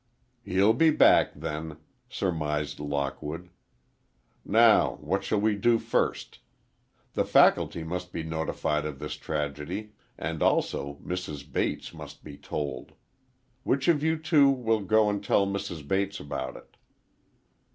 "He'll be back, then," surmised Lockwood. "Now, what shall we do first? The faculty must be notified of this tragedy and also, Mrs. Bates must be told. Which of you two will go and tell Mrs. Bates about it?"